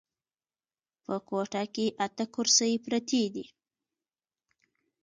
په کوټه کې اته کرسۍ پرتې دي.